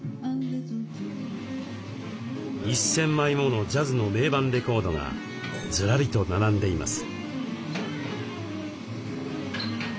１，０００枚ものジャズの名盤レコードがずらりと並んでいます。